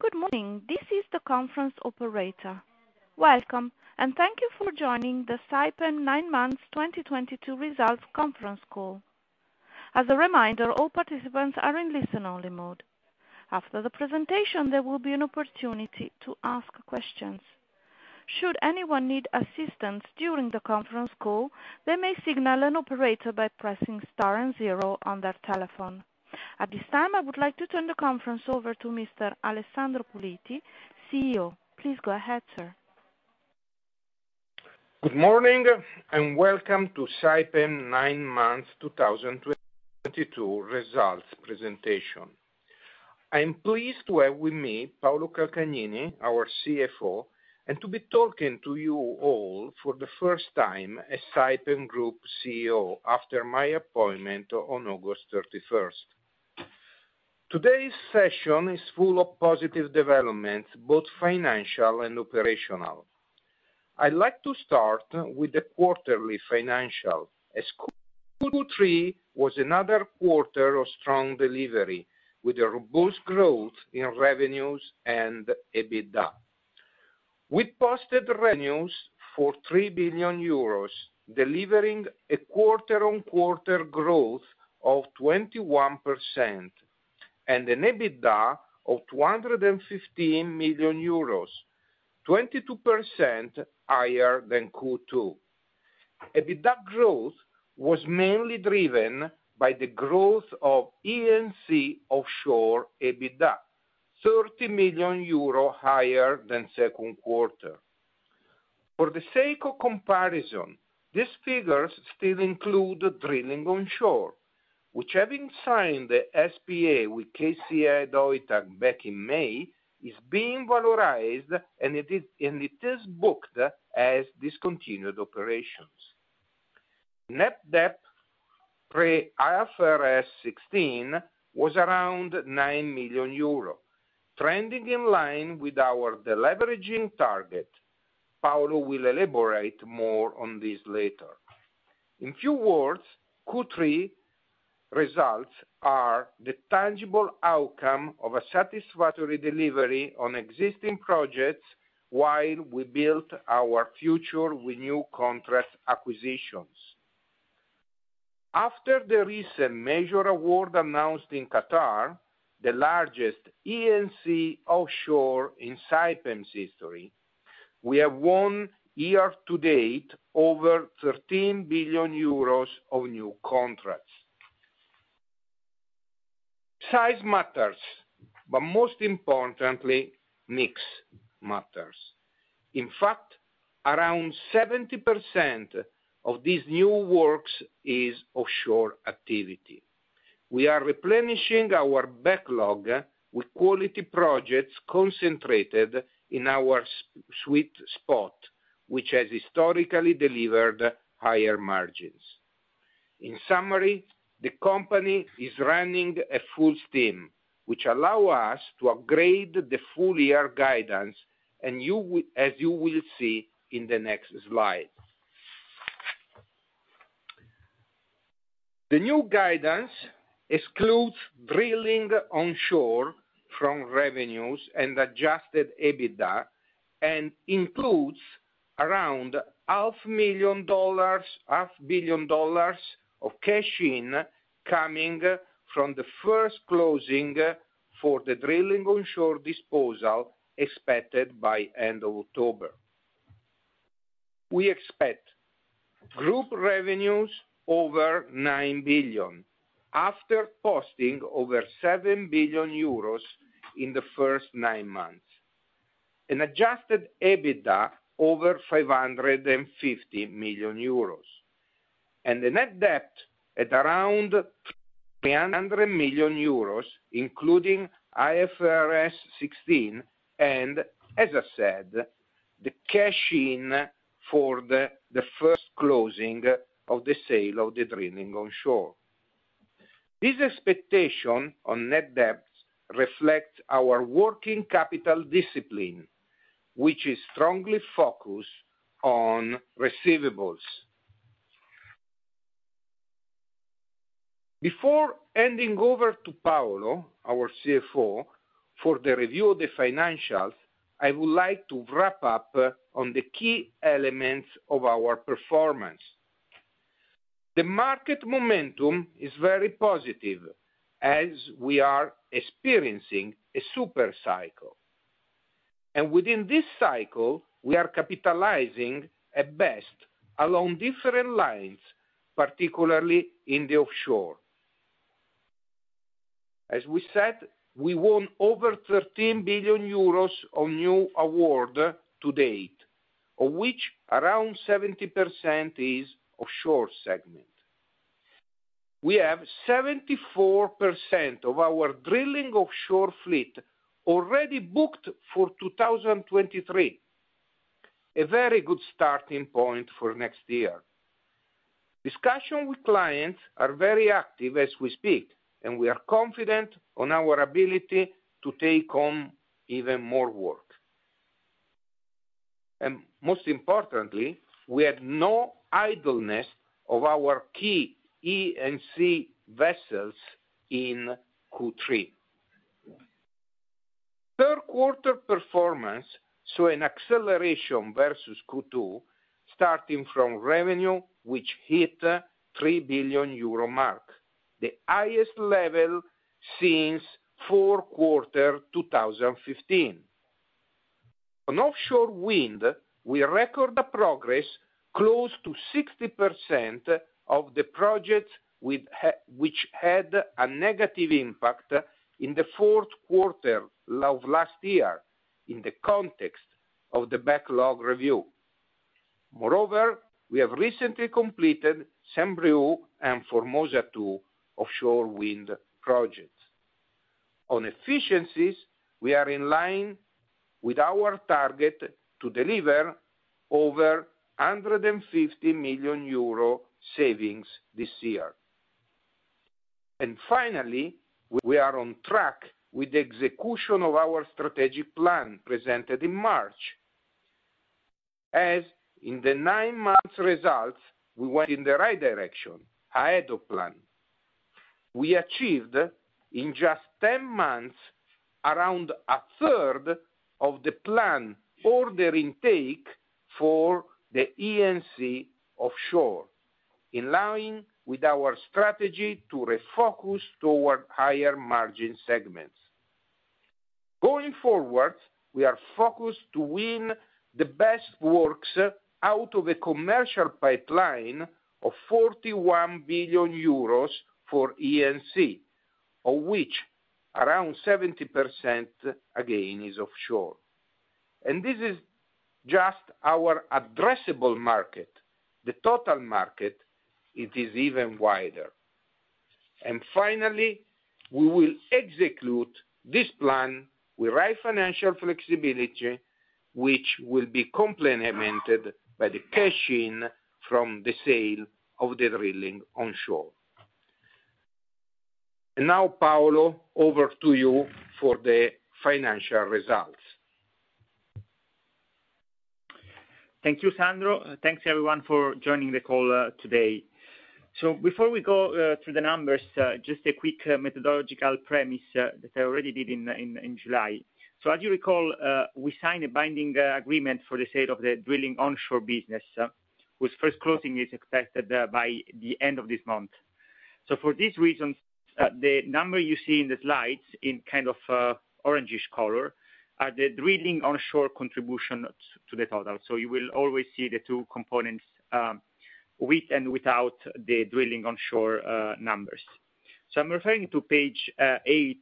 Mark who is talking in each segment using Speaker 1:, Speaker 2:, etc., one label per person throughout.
Speaker 1: Good morning. This is the conference operator. Welcome, and thank you for joining the Saipem nine months 2022 results conference call. As a reminder, all participants are in listen-only mode. After the presentation, there will be an opportunity to ask questions. Should anyone need assistance during the conference call, they may signal an operator by pressing star and zero on their telephone. At this time, I would like to turn the conference over to Mr. Alessandro Puliti, CEO. Please go ahead, sir.
Speaker 2: Good morning, and welcome to Saipem nine months 2022 results presentation. I am pleased to have with me Paolo Calcagnini, our CFO, and to be talking to you all for the first time as Saipem Group CEO after my appointment on August 31st. Today's session is full of positive developments, both financial and operational. I'd like to start with the quarterly financials, as Q3 was another quarter of strong delivery, with a robust growth in revenues and EBITDA. We posted revenues for 3 billion euros, delivering a quarter-on-quarter growth of 21%, and an EBITDA of 215 million euros, 22% higher than Q2. EBITDA growth was mainly driven by the growth of E&C offshore EBITDA, 30 million euro higher than second quarter. For the sake of comparison, these figures still include drilling onshore, which having signed the SPA with KCA Deutag back in May, is being valorized, and it is booked as discontinued operations. Net debt pre-IFRS 16 was around 9 million euro, trending in line with our deleveraging target. Paolo will elaborate more on this later. In few words, Q3 results are the tangible outcome of a satisfactory delivery on existing projects while we built our future with new contract acquisitions. After the recent major award announced in Qatar, the largest E&C offshore in Saipem's history, we have won year to date over 13 billion euros of new contracts. Size matters, but most importantly, mix matters. In fact, around 70% of these new works is offshore activity. We are replenishing our backlog with quality projects concentrated in our sweet spot, which has historically delivered higher margins. In summary, the company is running at full steam, which allow us to upgrade the full year guidance, as you will see in the next slide. The new guidance excludes drilling onshore from revenues and adjusted EBITDA, and includes around EUR 0.5 billion of cash incoming from the first closing for the drilling onshore disposal expected by end of October. We expect group revenues over 9 billion after posting over 7 billion euros in the first nine months, an adjusted EBITDA over 550 million euros, and a net debt at around 300 million euros, including IFRS 16, and as I said, the cash in from the first closing of the sale of the drilling onshore. This expectation on net debt reflects our working capital discipline, which is strongly focused on receivables. Before handing over to Paolo, our CFO, for the review of the financials, I would like to wrap up on the key elements of our performance. The market momentum is very positive as we are experiencing a super cycle. Within this cycle, we are capitalizing at best along different lines, particularly in the offshore. As we said, we won over 13 billion euros on new award to date, of which around 70% is offshore segment. We have 74% of our drilling offshore fleet already booked for 2023, a very good starting point for next year. Discussion with clients are very active as we speak, and we are confident on our ability to take on even more work. Most importantly, we had no idleness of our key E&C vessels in Q3. Third quarter performance saw an acceleration versus Q2, starting from revenue, which hit the 3 billion euro mark, the highest level since fourth quarter 2015. On offshore wind, we record the progress close to 60% of the projects which had a negative impact in the fourth quarter of last year in the context of the backlog review. Moreover, we have recently completed Saint-Brieuc and Formosa 2 offshore wind projects. On efficiencies, we are in line with our target to deliver over 150 million euro savings this year. Finally, we are on track with the execution of our strategic plan presented in March, as in the nine months results, we went in the right direction, ahead of plan. We achieved, in just 10 months, around a third of the plan order intake for the E&C offshore, in line with our strategy to refocus toward higher margin segments. Going forward, we are focused to win the best works out of a commercial pipeline of 41 billion euros for E&C, of which around 70%, again, is offshore. This is just our addressable market. The total market, it is even wider. Finally, we will execute this plan with right financial flexibility, which will be complemented by the cash-in from the sale of the drilling onshore. Now, Paolo, over to you for the financial results.
Speaker 3: Thank you, Sandro. Thanks everyone for joining the call today. Before we go through the numbers, just a quick methodological premise that I already did in July. As you recall, we signed a binding agreement for the sale of the drilling onshore business, whose first closing is expected by the end of this month. For these reasons, the number you see in the slides in kind of orangish color are the drilling onshore contribution to the total. You will always see the two components with and without the drilling onshore numbers. I'm referring to page eight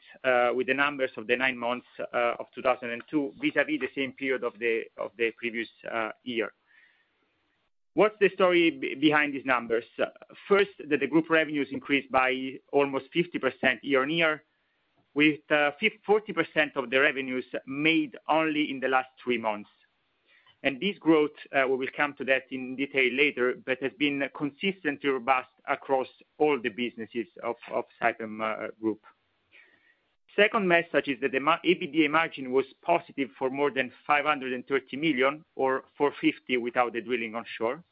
Speaker 3: with the numbers of the nine months of 2002 vis-à-vis the same period of the previous year. What's the story behind these numbers? First, that the group revenues increased by almost 50% year-on-year, with 40% of the revenues made only in the last three months. This growth, we will come to that in detail later, but has been consistently robust across all the businesses of Saipem group. Second message is that the EBITDA margin was positive for more than 530 million, or 450 million without the drilling onshore.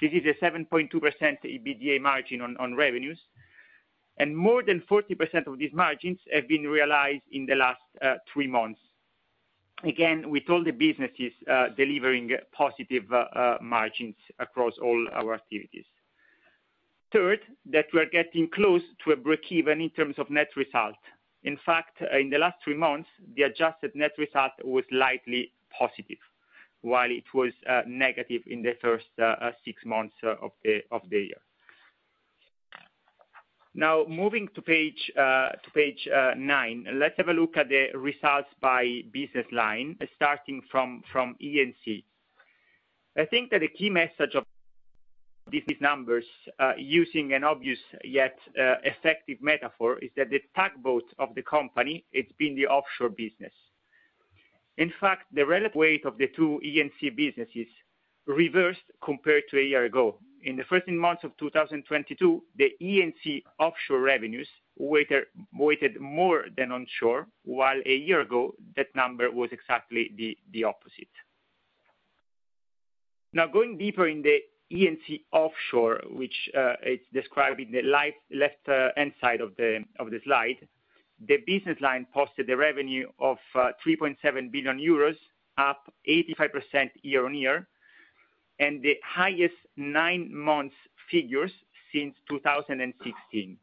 Speaker 3: This is a 7.2% EBITDA margin on revenues. More than 40% of these margins have been realized in the last three months. Again, with all the businesses delivering positive margins across all our activities. Third, that we're getting close to a break-even in terms of net result. In fact, in the last three months, the adjusted net result was slightly positive, while it was negative in the first six months of the year. Now, moving to page nine, let's have a look at the results by business line, starting from E&C. I think that the key message of these numbers, using an obvious yet effective metaphor is that the tugboat of the company, it's been the offshore business. In fact, the relative weight of the two E&C businesses reversed compared to a year ago. In the first three months of 2022, the E&C offshore revenues weighed more than onshore, while a year ago, that number was exactly the opposite. Now, going deeper in the E&C offshore, which is described in the top left-hand side of the slide, the business line posted a revenue of 3.7 billion euros, up 85% year-on-year, and the highest nine months figures since 2016.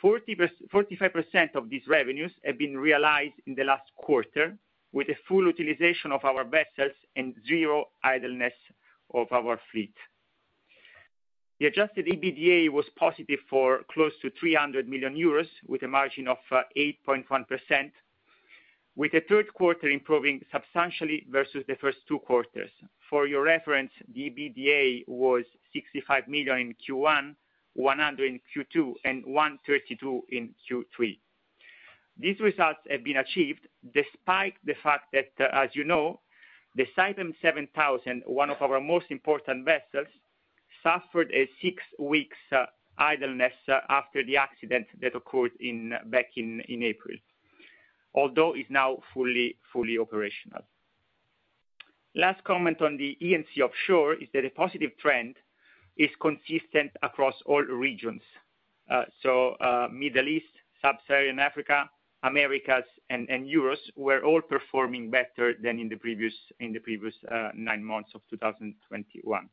Speaker 3: Forty-five percent of these revenues have been realized in the last quarter, with a full utilization of our vessels and zero idleness of our fleet. The adjusted EBITDA was positive for close to 300 million euros, with a margin of 8.1%, with the third quarter improving substantially versus the first two quarters. For your reference, the EBITDA was 65 million in Q1, 100 million in Q2, and 132 million in Q3. These results have been achieved despite the fact that, as you know, the Saipem 7000, one of our most important vessels, suffered 6 weeks idleness after the accident that occurred back in April, although it's now fully operational. Last comment on the E&C Offshore is that a positive trend is consistent across all regions. Middle East, Sub-Saharan Africa, Americas and Europe were all performing better than in the previous nine months of 2021.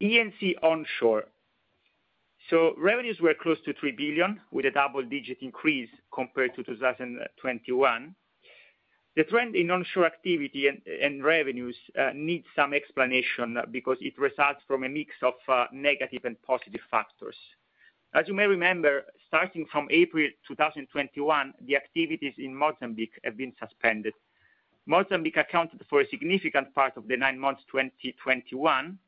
Speaker 3: E&C onshore. Revenues were close to 3 billion, with a double-digit increase compared to 2021. The trend in onshore activity and revenues needs some explanation because it results from a mix of negative and positive factors. As you may remember, starting from April 2021, the activities in Mozambique have been suspended. Mozambique accounted for a significant part of the nine months 2021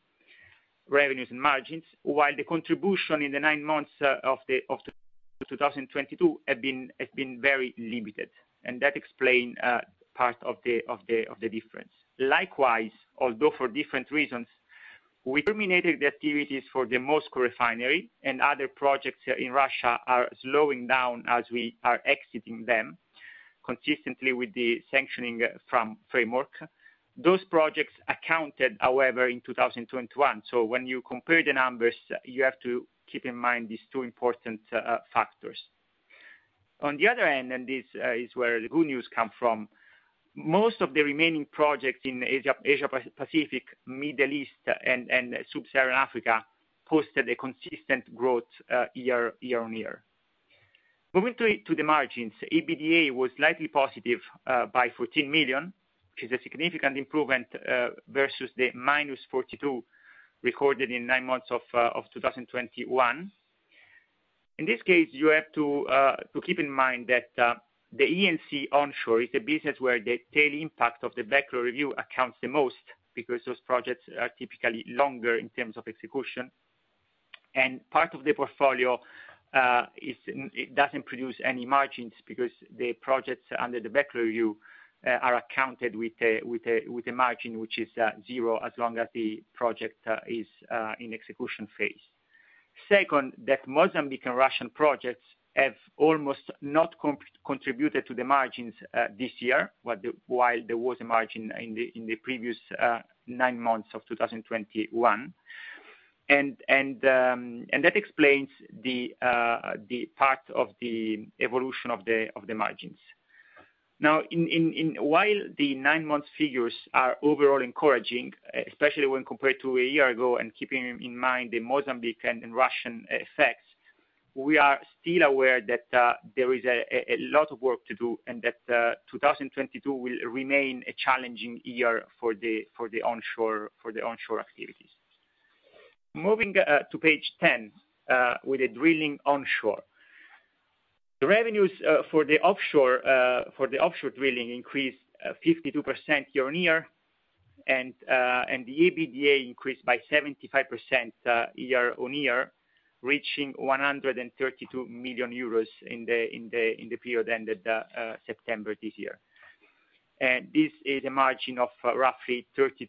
Speaker 3: revenues and margins, while the contribution in the nine months of 2022 has been very limited, and that explain part of the difference. Likewise, although for different reasons, we terminated the activities for the Moscow refinery and other projects in Russia are slowing down as we are exiting them, consistently with the sanctions framework. Those projects accounted, however, in 2021. When you compare the numbers, you have to keep in mind these two important factors. On the other hand, this is where the good news come from, most of the remaining projects in Asia-Pacific, Middle East and Sub-Saharan Africa posted a consistent growth year-on-year. Moving to the margins, EBITDA was slightly positive by 14 million, which is a significant improvement versus the minus 42 million recorded in nine months of 2021. In this case, you have to keep in mind that the E&C onshore is a business where the tail impact of the backlog review accounts the most because those projects are typically longer in terms of execution. Part of the portfolio is it doesn't produce any margins because the projects under the backlog review are accounted with a margin which is zero as long as the project is in execution phase. Second, that Mozambique and Russian projects have almost not contributed to the margins this year, while there was a margin in the previous nine months of 2021. That explains the part of the evolution of the margins. While the nine-month figures are overall encouraging, especially when compared to a year ago and keeping in mind the Mozambique and Russian effects, we are still aware that there is a lot of work to do and that 2022 will remain a challenging year for the onshore activities. Moving to page ten with the drilling onshore. The revenues for the offshore drilling increased 52% year-on-year, and the EBITDA increased by 75% year-on-year, reaching 132 million euros in the period ended September this year. This is a margin of roughly 32%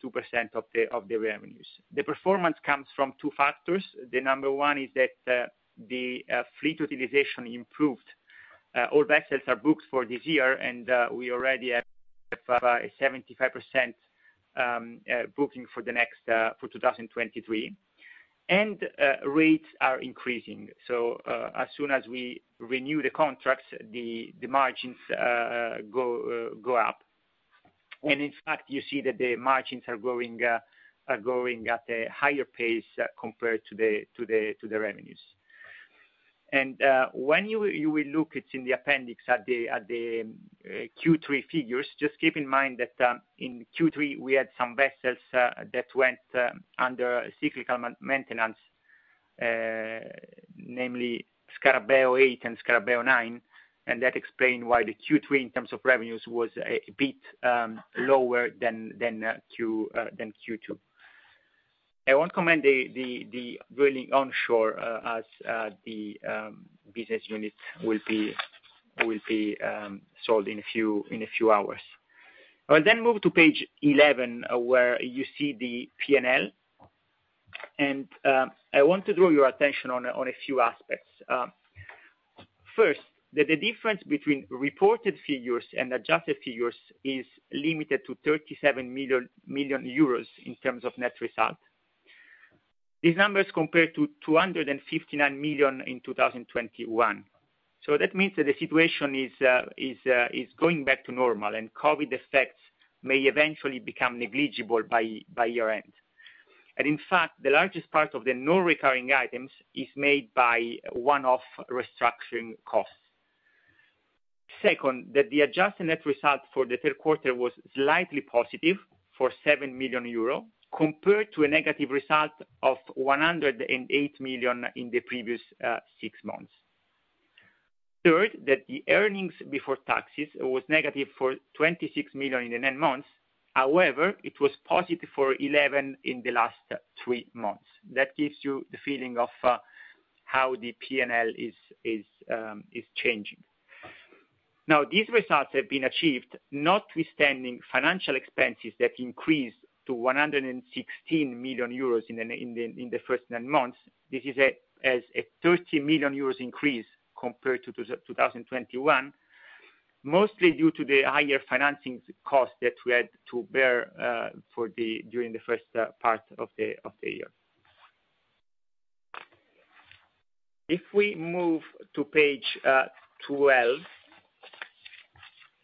Speaker 3: of the revenues. The performance comes from two factors. The number one is that the fleet utilization improved. All vessels are booked for this year, and we already have 75% booking for the next, for 2023. Rates are increasing. As soon as we renew the contracts, the margins go up. In fact, you see that the margins are growing at a higher pace compared to the revenues. When you will look it in the appendix at the Q3 figures, just keep in mind that in Q3 we had some vessels that went under cyclical maintenance, namely Scarabeo 8 and Scarabeo 9, and that explained why the Q3 in terms of revenues was a bit lower than Q2. I won't comment the drilling onshore as the business unit will be sold in a few hours. I will then move to page 11, where you see the P&L. I want to draw your attention on a few aspects. First, that the difference between reported figures and adjusted figures is limited to 37 million euros in terms of net result. These numbers compare to 259 million in 2021. That means that the situation is going back to normal, and COVID effects may eventually become negligible by year-end. In fact, the largest part of the non-recurring items is made by one-off restructuring costs. Second, that the adjusted net result for the third quarter was slightly positive for 7 million euro, compared to a negative result of 108 million in the previous six months. Third, that the earnings before taxes was negative for 26 million in the nine months. However, it was positive for 11 in the last three months. That gives you the feeling of how the P&L is changing. Now these results have been achieved notwithstanding financial expenses that increased to 116 million euros in the first nine months. This is a 30 million euros increase compared to 2021, mostly due to the higher financing costs that we had to bear during the first part of the year. If we move to page 12,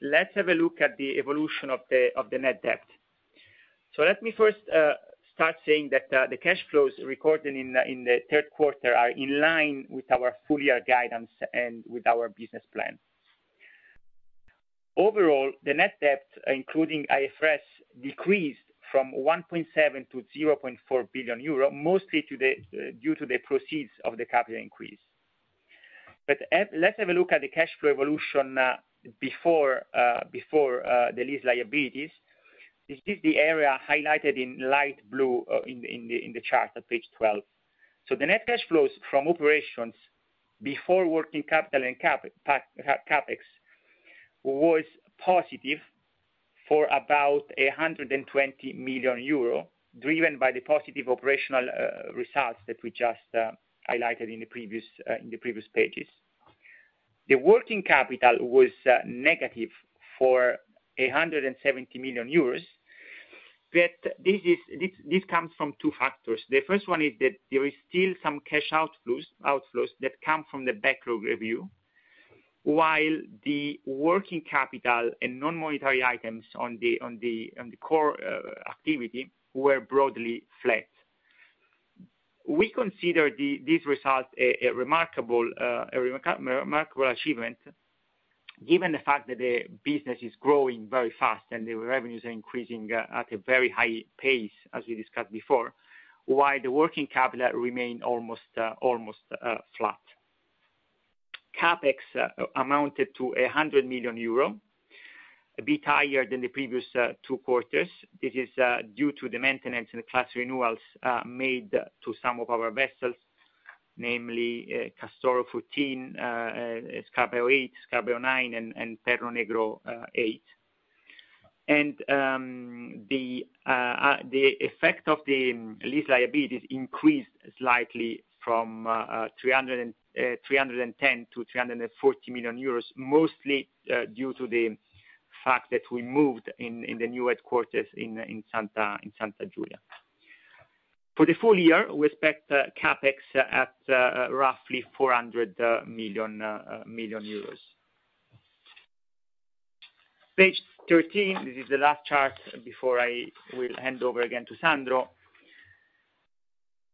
Speaker 3: let's have a look at the evolution of the net debt. Let me first start saying that the cash flows recorded in the third quarter are in line with our full year guidance and with our business plan. Overall, the net debt, including IFRS, decreased from 1.7 billion to 0.4 billion euro, mostly due to the proceeds of the capital increase. Let's have a look at the cash flow evolution before the lease liabilities. This is the area highlighted in light blue in the chart on page twelve. The net cash flows from operations before working capital and CapEx was positive for about 120 million euro, driven by the positive operational results that we just highlighted in the previous pages. The working capital was negative for 170 million euros, but this comes from two factors. The first one is that there is still some cash outflows that come from the backlog review, while the working capital and non-monetary items on the core activity were broadly flat. We consider these results a remarkable achievement given the fact that the business is growing very fast and the revenues are increasing at a very high pace as we discussed before, while the working capital remained almost flat. CapEx amounted to 100 million euro, a bit higher than the previous two quarters. This is due to the maintenance and the class renewals made to some of our vessels, namely, Castoro 10, Scarabeo 8, Scarabeo 9, and Perro Negro 8. The effect of the lease liabilities increased slightly from 310 million to 340 million euros, mostly due to the fact that we moved in the new headquarters in Santa Giulia. For the full year, we expect CapEx at roughly 400 million. Page thirteen, this is the last chart before I will hand over again to Sandro.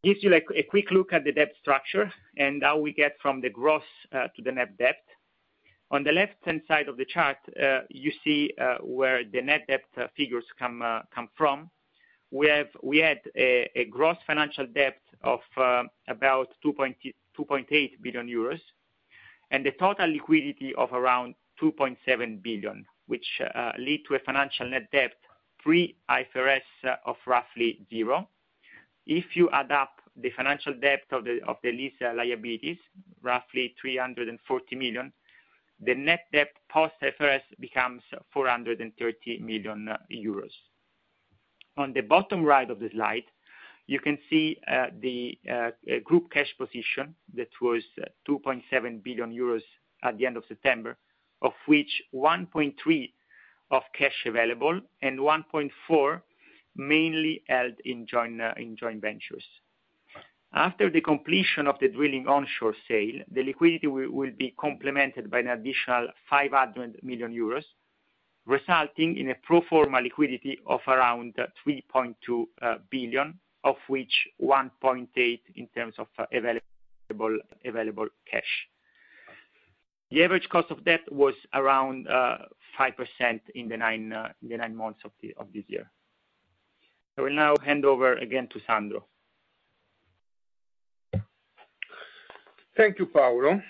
Speaker 3: Gives you like a quick look at the debt structure and how we get from the gross to the net debt. On the left-hand side of the chart, you see where the net debt figures come from. We had a gross financial debt of about 2.8 billion euros and a total liquidity of around 2.7 billion, which leads to a financial net debt pre-IFRS of roughly zero. If you add up the financial debt and the lease liabilities, roughly 340 million, the net debt post-IFRS becomes 430 million euros. On the bottom right of the slide, you can see the group cash position that was 2.7 billion euros at the end of September, of which 1.3 billion of cash available and 1.4 billion mainly held in joint ventures. After the completion of the drilling onshore sale, the liquidity will be complemented by an additional 500 million euros, resulting in a pro forma liquidity of around 3.2 billion, of which 1.8 billion in terms of available cash. The average cost of debt was around 5% in the nine months of this year. I will now hand over again to Sandro.
Speaker 2: Thank you, Paolo.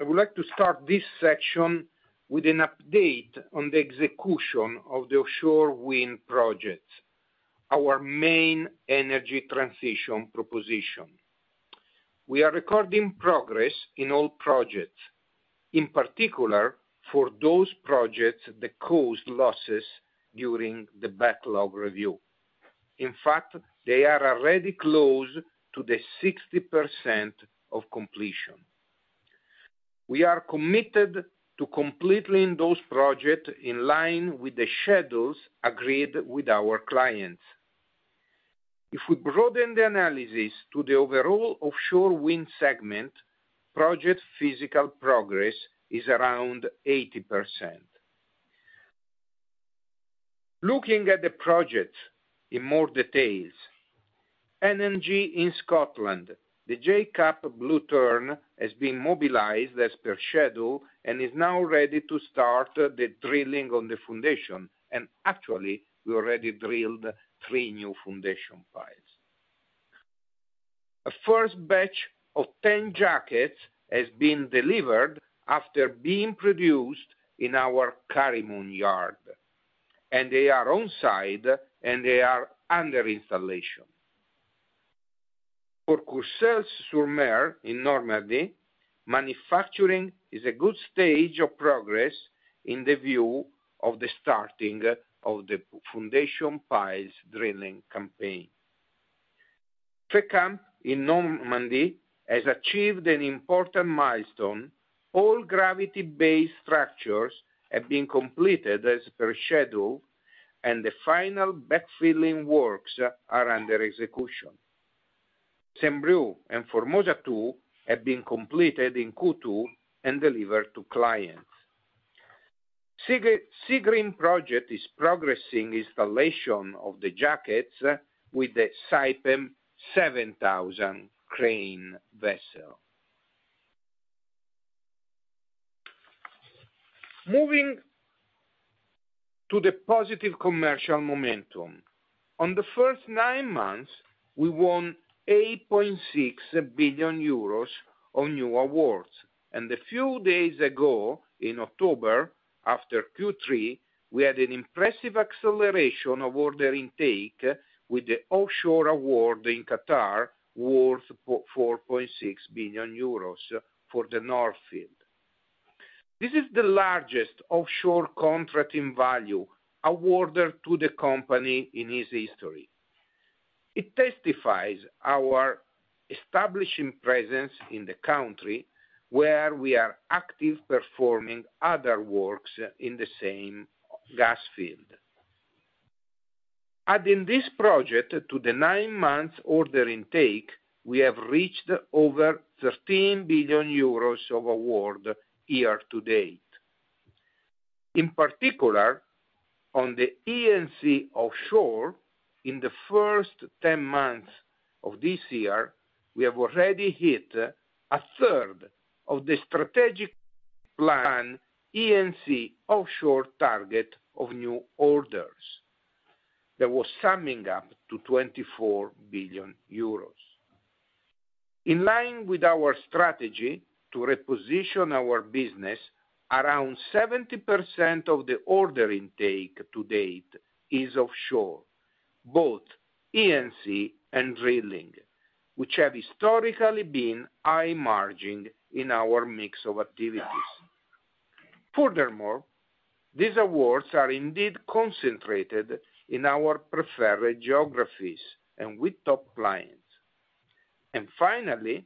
Speaker 2: I would like to start this section with an update on the execution of the offshore wind projects, our main energy transition proposition. We are recording progress in all projects, in particular for those projects that caused losses during the backlog review. In fact, they are already close to the 60% of completion. We are committed to completing those projects in line with the schedules agreed with our clients. If we broaden the analysis to the overall offshore wind segment, project physical progress is around 80%. Looking at the project in more details. NNG in Scotland, the jack-up Blue Tern has been mobilized as per schedule and is now ready to start the drilling on the foundation. Actually, we already drilled three new foundation piles. A first batch of 10 jackets has been delivered after being produced in our Karimun Yard, and they are on site and they are under installation. For Courseulles-sur-Mer in Normandy, manufacturing is a good stage of progress in the view of the starting of the foundation piles drilling campaign. Fécamp in Normandy has achieved an important milestone. All gravity-based structures have been completed as per schedule, and the final backfilling works are under execution. Saint-Brieuc and Formosa 2 have been completed in Q2 and delivered to clients. Seagreen project is progressing installation of the jackets with the Saipem 7000 crane vessel. Moving to the positive commercial momentum. On the first nine months, we won 8.6 billion euros on new awards, and a few days ago, in October, after Q3, we had an impressive acceleration of order intake with the offshore award in Qatar, worth 4.6 billion euros for the North Field. This is the largest offshore contract in value awarded to the company in its history. It testifies our establishing presence in the country where we are active, performing other works in the same gas field. Adding this project to the nine-month order intake, we have reached over 13 billion euros of award year to date. In particular, on the E&C offshore, in the first 10 months of this year, we have already hit a third of the strategic plan E&C offshore target of new orders. That was summing up to 24 billion euros. In line with our strategy to reposition our business, around 70% of the order intake to date is offshore, both E&C and drilling, which have historically been high margin in our mix of activities. Furthermore, these awards are indeed concentrated in our preferred geographies and with top clients. Finally,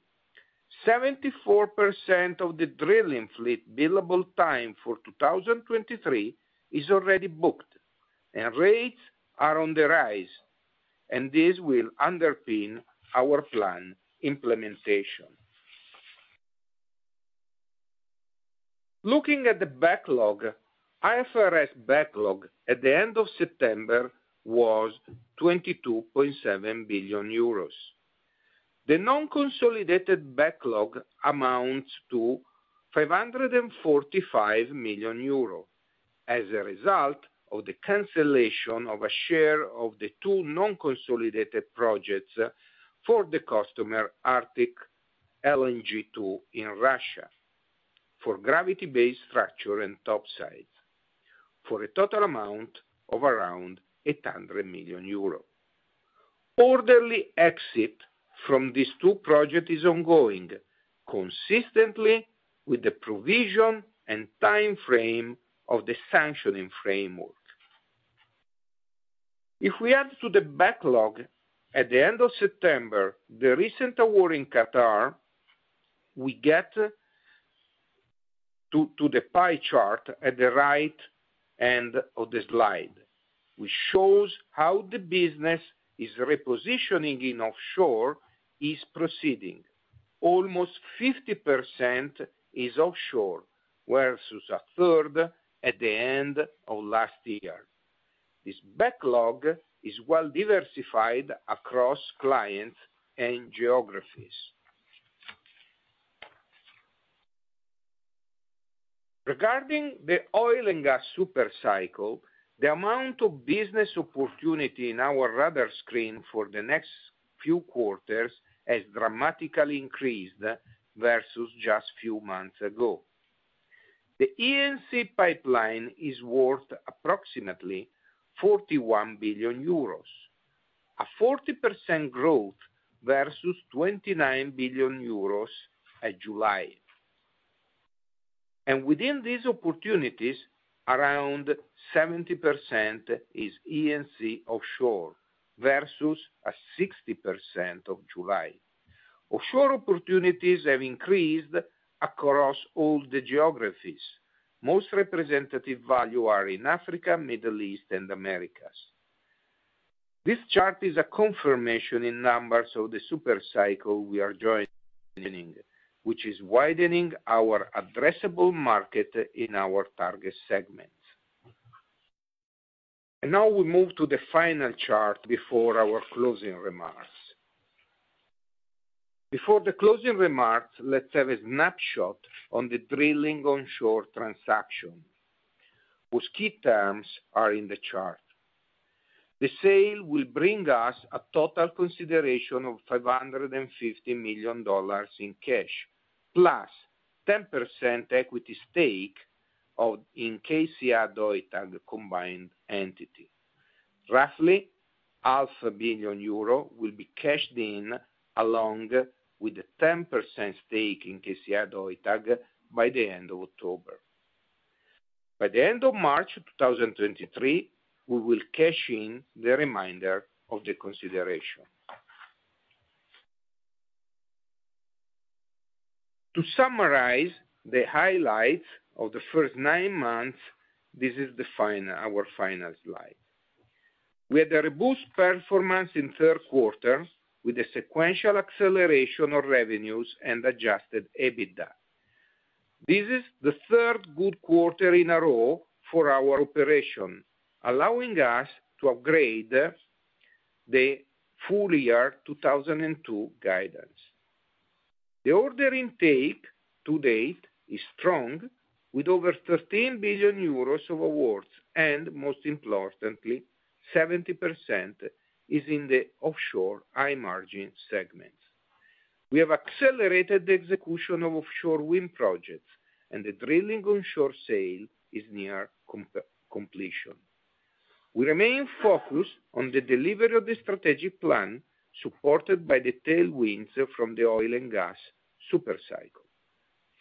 Speaker 2: 74% of the drilling fleet billable time for 2023 is already booked, and rates are on the rise, and this will underpin our plan implementation. Looking at the backlog, IFRS backlog at the end of September was 22.7 billion euros. The non-consolidated backlog amounts to 545 million euros as a result of the cancellation of a share of the two non-consolidated projects for the customer Arctic LNG 2 in Russia, for gravity-based structure and topside, for a total amount of around 800 million euro. Orderly exit from these two projects is ongoing, consistently with the provision and time frame of the sanctioning framework. If we add to the backlog at the end of September, the recent award in Qatar, we get to the pie chart at the right end of the slide, which shows how the business is repositioning in offshore is proceeding. Almost 50% is offshore, whereas it was a third at the end of last year. This backlog is well diversified across clients and geographies. Regarding the oil and gas super cycle, the amount of business opportunity in our radar screen for the next few quarters has dramatically increased versus just a few months ago. The E&C pipeline is worth approximately 41 billion euros, a 40% growth versus 29 billion euros at July. Within these opportunities, around 70% is E&C offshore, versus a 60% of July. Offshore opportunities have increased across all the geographies. Most representative value are in Africa, Middle East, and Americas. This chart is a confirmation in numbers of the super cycle we are joining, which is widening our addressable market in our target segment. Now we move to the final chart before our closing remarks. Before the closing remarks, let's have a snapshot on the drilling onshore transaction, whose key terms are in the chart. The sale will bring us a total consideration of $550 million in cash, plus 10% equity stake of, in KCA Deutag combined entity. Roughly half a billion EUR will be cashed in, along with the 10% stake in KCA Deutag by the end of October. By the end of March 2023, we will cash in the remainder of the consideration. To summarize the highlights of the first nine months, this is our final slide. We had a robust performance in third quarter with a sequential acceleration of revenues and adjusted EBITDA. This is the third good quarter in a row for our operation, allowing us to upgrade the full year 2022 guidance. The order intake to date is strong, with over 13 billion euros of awards, and most importantly, 70% is in the offshore high margin segments. We have accelerated the execution of offshore wind projects, and the drilling onshore sale is near completion. We remain focused on the delivery of the strategic plan, supported by the tailwinds from the oil and gas super cycle.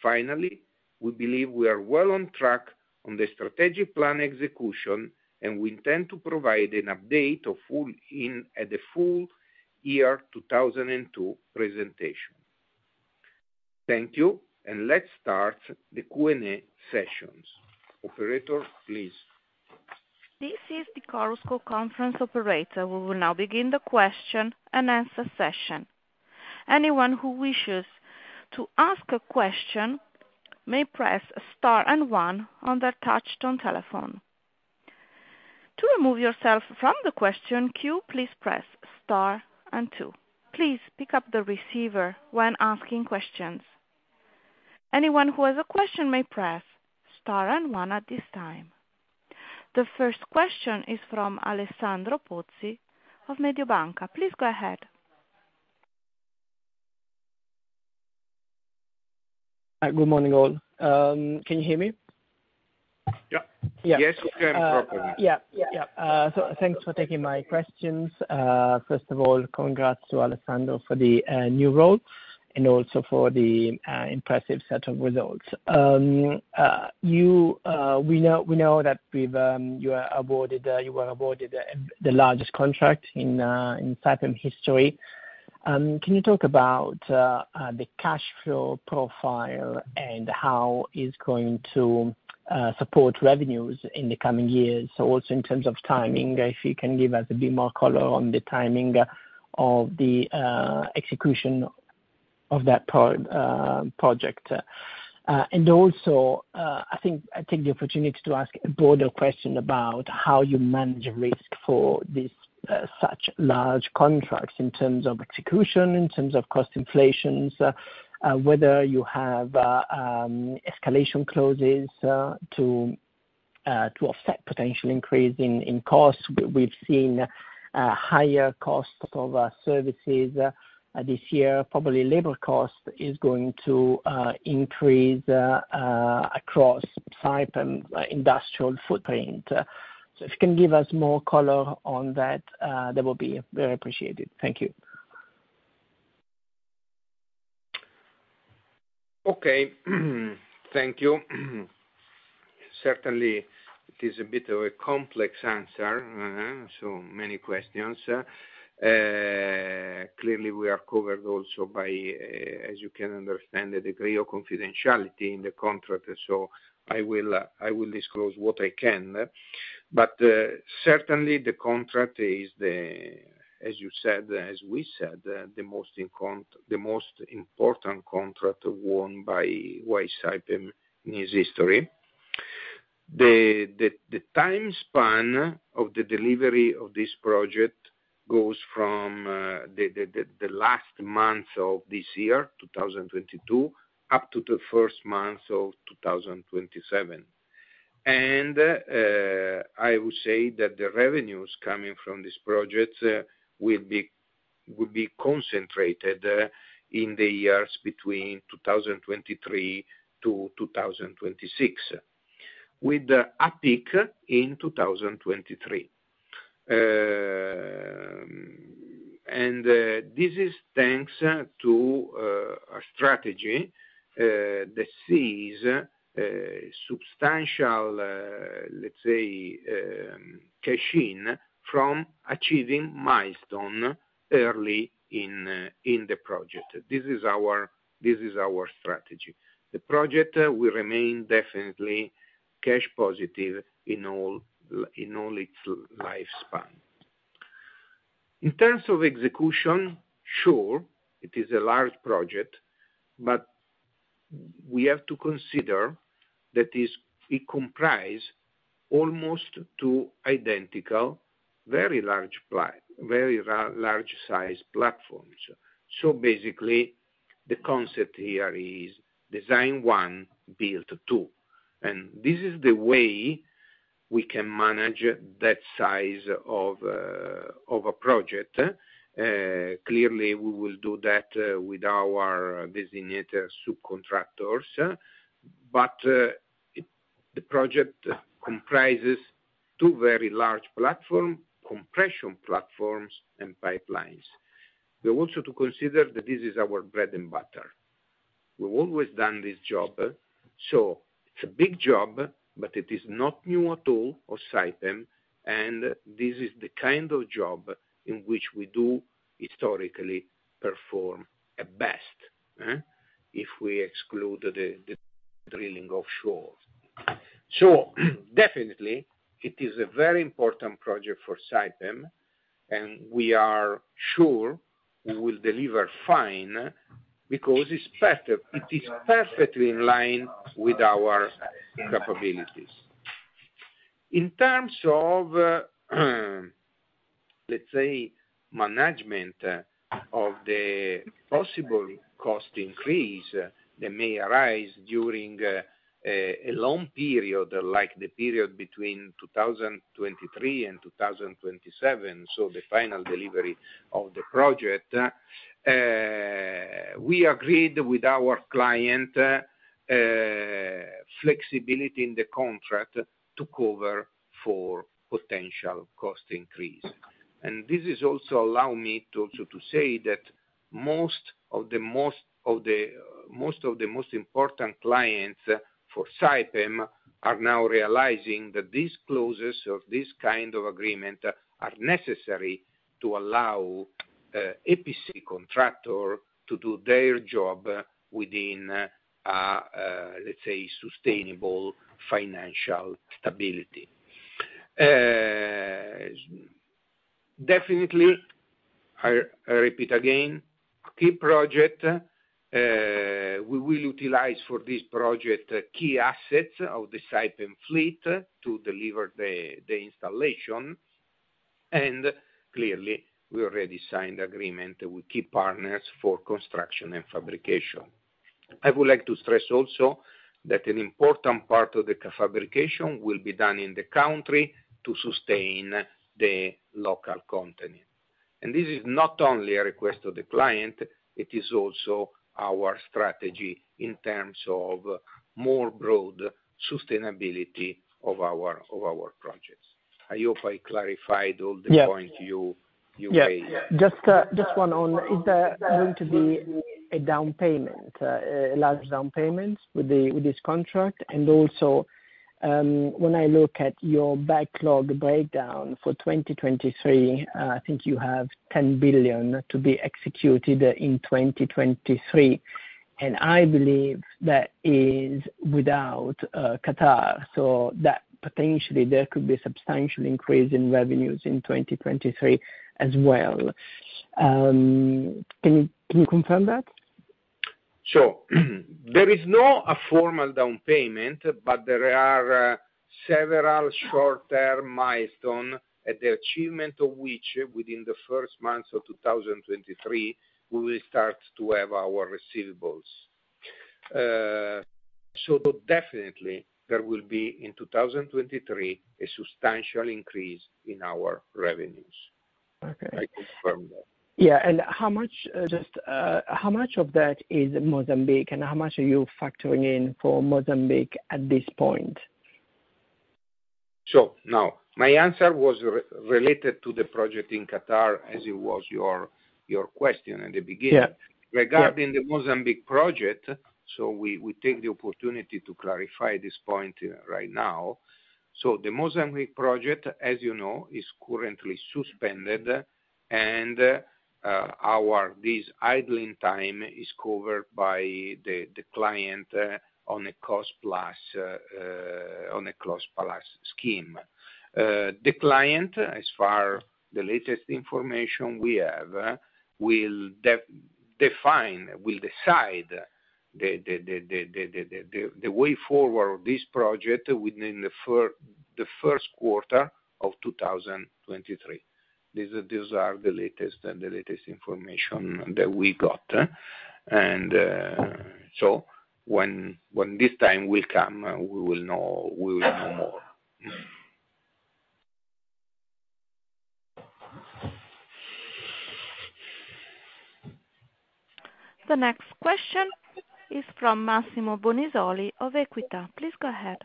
Speaker 2: Finally, we believe we are well on track on the strategic plan execution, and we intend to provide an update at the full year 2002 presentation. Thank you, and let's start the Q&A sessions. Operator, please.
Speaker 1: This is the Chorus Call conference operator. We will now begin the question-and-answer session. Anyone who wishes to ask a question may press star and one on their touch-tone telephone. To remove yourself from the question queue, please press star and two. Please pick up the receiver when asking questions. Anyone who has a question may press star and one at this time. The first question is from Alessandro Pozzi of Mediobanca. Please go ahead.
Speaker 4: Good morning, all. Can you hear me?
Speaker 2: Yeah.
Speaker 4: Yeah.
Speaker 2: Yes, we can properly.
Speaker 4: Thanks for taking my questions. First of all, congrats to Alessandro for the new role and also for the impressive set of results. We know that you were awarded the largest contract in Saipem history. Can you talk about the cash flow profile and how it's going to support revenues in the coming years? Also in terms of timing, if you can give us a bit more color on the timing of the execution of that project. I think I take the opportunity to ask a broader question about how you manage risk for these such large contracts in terms of execution, in terms of cost inflations, whether you have escalation clauses to offset potential increase in costs. We've seen higher costs of services this year. Probably labor cost is going to increase across Saipem industrial footprint. If you can give us more color on that will be very appreciated. Thank you.
Speaker 2: Okay. Thank you. Certainly, it is a bit of a complex answer, so many questions. Clearly, we are covered also by, as you can understand, the degree of confidentiality in the contract, so I will disclose what I can. Certainly the contract is, as you said, as we said, the most important contract won by Saipem in its history. The time span of the delivery of this project goes from the last month of this year, 2022, up to the first month of 2027. I would say that the revenues coming from this project will be concentrated in the years between 2023 to 2026, with a peak in 2023. This is thanks to a strategy that sees substantial, let's say, cash-in from achieving milestone early in the project. This is our strategy. The project will remain definitely cash positive in all its lifespan. In terms of execution, sure, it is a large project, but we have to consider that it comprise almost two identical, very large size platforms. Basically, the concept here is design one, build two. This is the way we can manage that size of a project. Clearly, we will do that with our designated subcontractors. The project comprises two very large platform, compression platforms and pipelines. We also have to consider that this is our bread and butter. We've always done this job, so it's a big job, but it is not new at all for Saipem, and this is the kind of job in which we do historically perform at best. If we exclude the drilling offshore. Definitely it is a very important project for Saipem, and we are sure we will deliver fine because it's better, it is perfectly in line with our capabilities. In terms of, let's say, management of the possible cost increase that may arise during a long period, like the period between 2023 and 2027, so the final delivery of the project, we agreed with our client flexibility in the contract to cover for potential cost increase. This is also allow me to say that most of the most important clients for Saipem are now realizing that these clauses of this kind of agreement are necessary to allow EPC contractor to do their job within, let's say, sustainable financial stability. Definitely, I repeat again, key project, we will utilize for this project key assets of the Saipem fleet to deliver the installation. Clearly, we already signed agreement with key partners for construction and fabrication. I would like to stress also that an important part of the fabrication will be done in the country to sustain the local economy. This is not only a request of the client, it is also our strategy in terms of more broad sustainability of our projects. I hope I clarified all the points you raised.
Speaker 4: Yeah. Just one on, is there going to be a down payment, a large down payment with this contract? Also, when I look at your backlog breakdown for 2023, I think you have 10 billion to be executed in 2023, and I believe that is without Qatar. That potentially there could be substantial increase in revenues in 2023 as well. Can you confirm that?
Speaker 2: There is no formal down payment, but there are several short-term milestone at the achievement of which, within the first months of 2023, we will start to have our receivables. Definitely there will be, in 2023, a substantial increase in our revenues.
Speaker 4: Okay.
Speaker 2: I confirm that.
Speaker 4: Yeah. Just how much of that is Mozambique, and how much are you factoring in for Mozambique at this point?
Speaker 2: Now my answer was related to the project in Qatar as it was your question in the beginning.
Speaker 4: Yeah.
Speaker 2: Regarding the Mozambique project, we take the opportunity to clarify this point right now. The Mozambique project, as you know, is currently suspended and our this idling time is covered by the client on a cost plus scheme. The client, as far as the latest information we have, will decide the way forward of this project within the first quarter of 2023. These are the latest information that we got. When this time will come, we will know more.
Speaker 1: The next question is from Massimo Bonisoli of EQUITA. Please go ahead.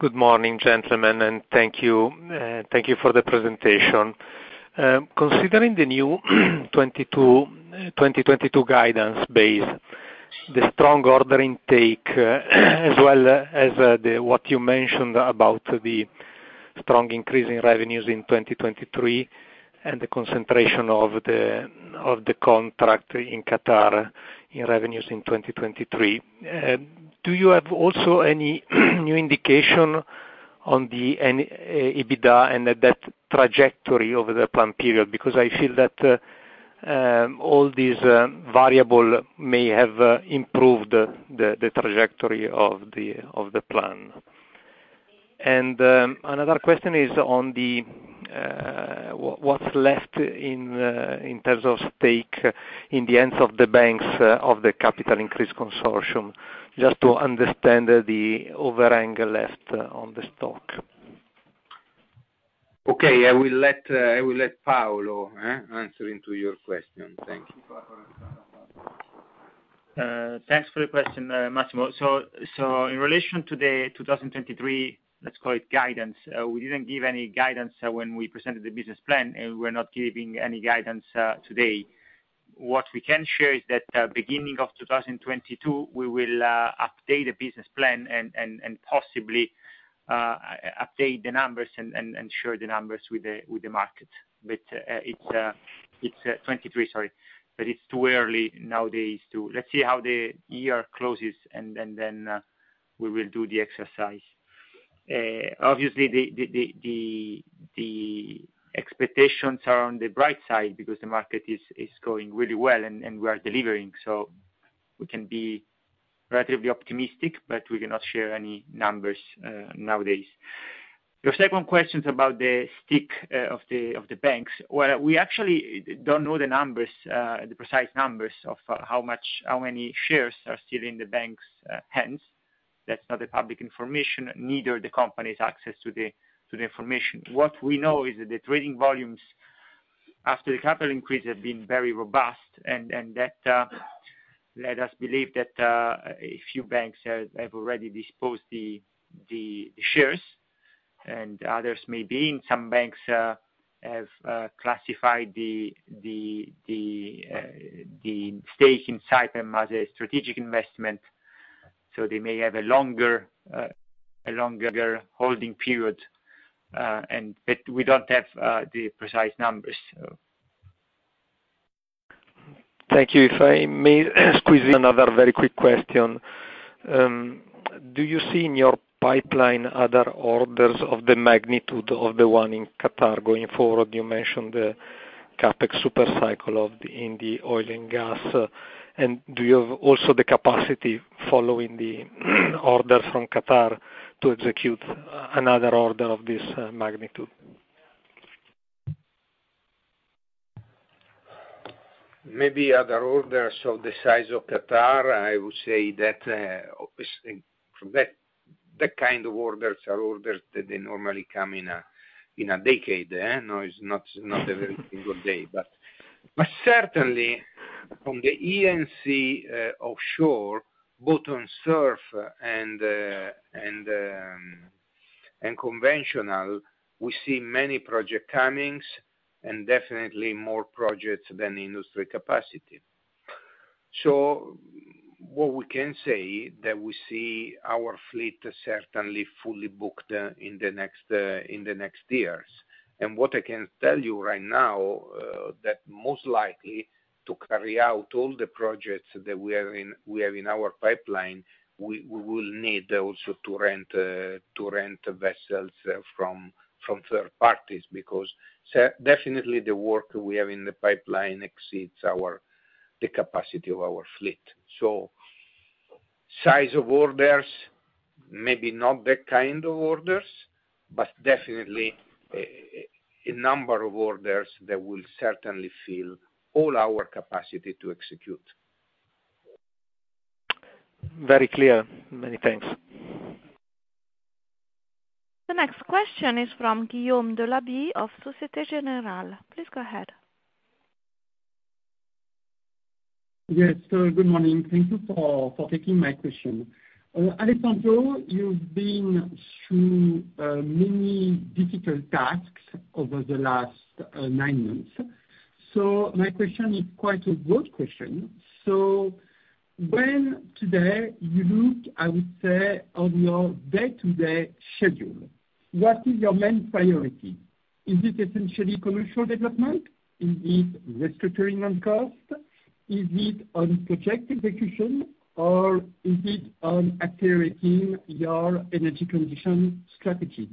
Speaker 5: Good morning, gentlemen, and thank you. Thank you for the presentation. Considering the new 2022 guidance base, the strong order intake, as well as what you mentioned about the strong increase in revenues in 2023 and the concentration of the contract in Qatar in revenues in 2023, do you have also any new indication on the EBITDA and that trajectory over the plan period? Because I feel that all these variable may have improved the trajectory of the plan. Another question is on the what's left in terms of stake in the hands of the banks of the capital increase consortium, just to understand the overhang left on the stock.
Speaker 2: Okay, I will let Paolo answer your question. Thank you.
Speaker 3: Thanks for the question, Massimo. In relation to the 2023, let's call it guidance, we didn't give any guidance when we presented the business plan, and we're not giving any guidance today. What we can share is that, beginning of 2022, we will update a business plan and possibly update the numbers and share the numbers with the market. It's 2023, sorry. It's too early nowadays. Let's see how the year closes and then we will do the exercise. Obviously, the expectations are on the bright side because the market is going really well and we are delivering. We can be relatively optimistic, but we cannot share any numbers nowadays. Your second question is about the stake of the banks. Well, we actually don't know the numbers, the precise numbers of how much, how many shares are still in the banks' hands. That's not public information, neither the company's access to the information. What we know is that the trading volumes after the capital increase has been very robust and that let us believe that a few banks have already disposed the shares, and others may be in some banks have classified the stake in Saipem as a strategic investment, so they may have a longer holding period, but we don't have the precise numbers.
Speaker 5: Thank you. If I may squeeze another very quick question. Do you see in your pipeline other orders of the magnitude of the one in Qatar going forward? You mentioned the CapEx super cycle in the oil and gas. Do you have also the capacity following the order from Qatar to execute another order of this magnitude?
Speaker 2: Maybe other orders of the size of Qatar. I would say that obviously from that, the kind of orders are orders that they normally come in a decade, no it's not every single day. Certainly from the E&C offshore, both on SURF and conventional, we see many projects coming and definitely more projects than industry capacity. What we can say that we see our fleet certainly fully booked in the next years. What I can tell you right now, that most likely to carry out all the projects that we have in our pipeline, we will need also to rent vessels from third parties, because definitely the work we have in the pipeline exceeds the capacity of our fleet. Size of orders, maybe not the kind of orders, but definitely a number of orders that will certainly fill all our capacity to execute.
Speaker 5: Very clear. Many thanks.
Speaker 1: The next question is from Guillaume Delaby of Société Générale. Please go ahead.
Speaker 6: Yes. Good morning. Thank you for taking my question. Alessandro, you've been through many difficult tasks over the last nine months. My question is quite a broad question. When today you look, I would say, on your day-to-day schedule, what is your main priority? Is it essentially commercial development? Is it restructuring on cost? Is it on project execution, or is it on accelerating your energy transition strategy?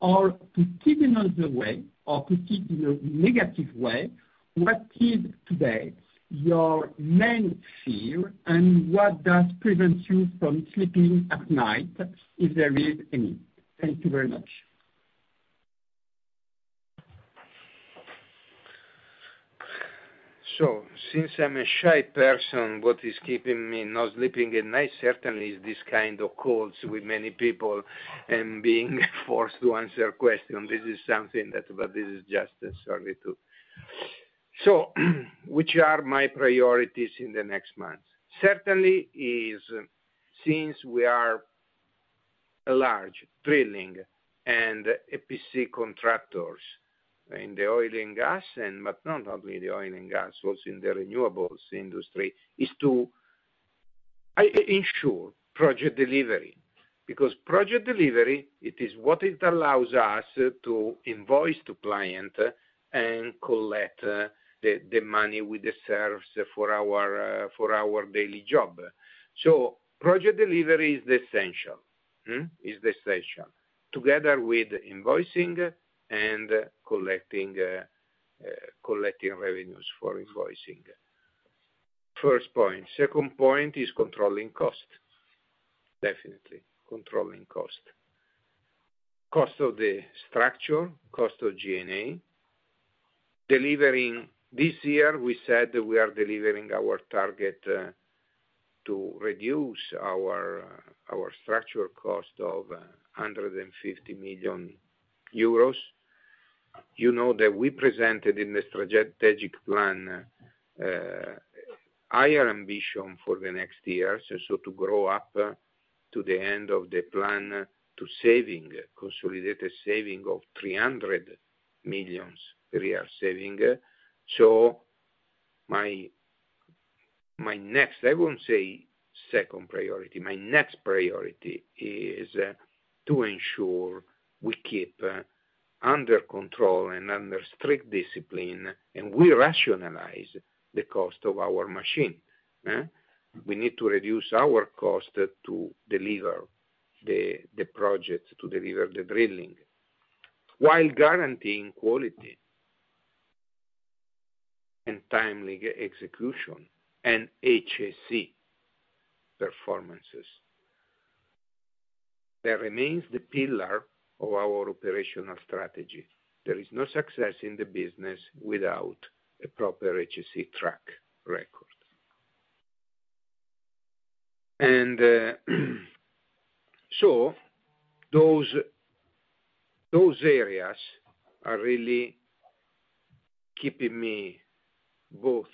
Speaker 6: Or to keep it another way or to keep in a negative way, what is today your main fear, and what does prevent you from sleeping at night, if there is any? Thank you very much.
Speaker 2: Since I'm a shy person, what is keeping me not sleeping at night, certainly is this kind of calls with many people and being forced to answer questions. This is something that this is just certainly too. Which are my priorities in the next months? Certainly is since we are a large drilling and EPC contractors in the oil and gas but not only the oil and gas, also in the renewables industry, is to ensure project delivery. Because project delivery, it is what it allows us to invoice to client and collect the money we deserve for our daily job. Project delivery is the essential. Is the essential. Together with invoicing and collecting revenues for invoicing. First point. Second point is controlling cost. Definitely controlling cost. Cost of the structure, cost of G&A. Delivering this year, we said that we are delivering our target to reduce our structural cost of 150 million euros. You know that we presented in the strategic plan higher ambition for the next years, so to grow up to the end of the plan to saving, consolidated saving of 300 million real saving. My next... I won't say second priority, my next priority is to ensure we keep under control and under strict discipline, and we rationalize the cost of our machine. We need to reduce our cost to deliver the project, to deliver the drilling, while guaranteeing quality and timely execution and HSE performances. That remains the pillar of our operational strategy. There is no success in the business without a proper HSE track record. Those areas are really keeping me both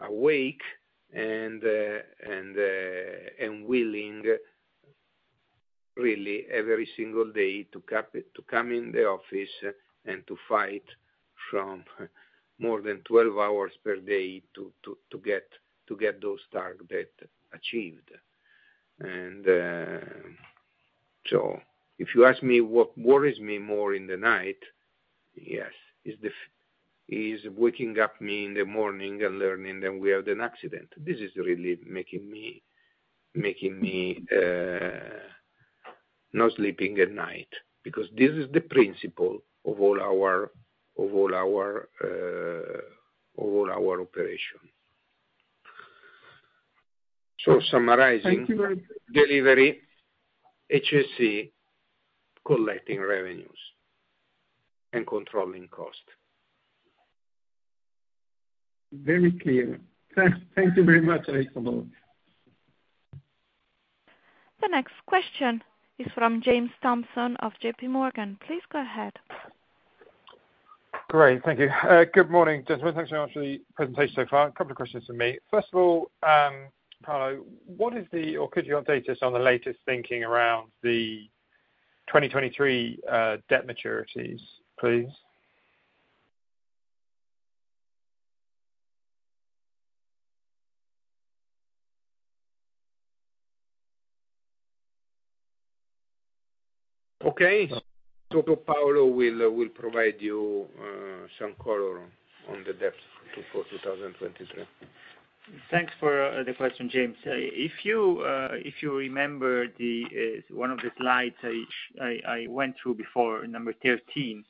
Speaker 2: awake and willing really every single day to keep at it, to come in the office and to fight for more than 12 hours per day to get those targets achieved. If you ask me what worries me more in the night, yes, is waking me up in the morning and learning that we have an accident. This is really making me not sleeping at night because this is the principle of all our operation. Summariz.ing
Speaker 6: Thank you.
Speaker 2: Delivery, HSE, collecting revenues, and controlling cost.
Speaker 6: Very clear. Thank you very much, Alessandro.
Speaker 1: The next question is from James Thompson of JPMorgan. Please go ahead.
Speaker 7: Great. Thank you. Good morning, gentlemen. Thanks very much for the presentation so far. A couple of questions from me. First of all, Paolo, could you update us on the latest thinking around the 2023 debt maturities, please?
Speaker 2: Paolo will provide you some color on the debt for 2023.
Speaker 3: Thanks for the question, James. If you remember the one of the slides I went through before, number 13.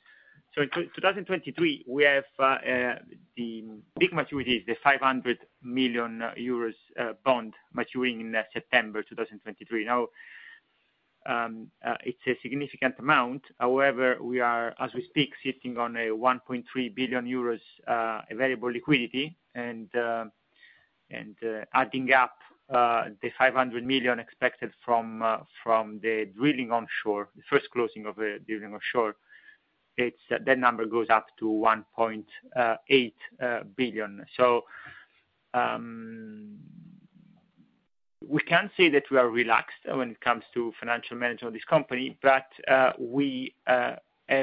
Speaker 3: In 2023, we have the big maturity is the 500 million euros bond maturing in September 2023. Now, it's a significant amount. However, we are, as we speak, sitting on 1.3 billion euros available liquidity. Adding up the $500 million expected from the first closing of the drilling onshore, that number goes up to 1.8 billion. We can't say that we are relaxed when it comes to financial management of this company, but we have